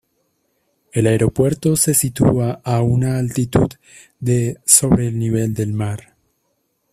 El aeropuerto se sitúa a una altitud de sobre el nivel del mar.